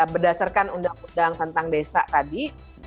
berdasarkan undang undang tentang desa tadi